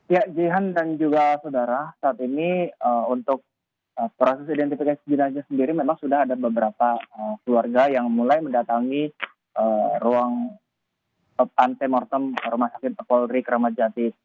ya jihan dan juga saudara saat ini untuk proses identifikasi jenazah sendiri memang sudah ada beberapa keluarga yang mulai mendatangi ruang pante mortem rumah sakit polri kramat jati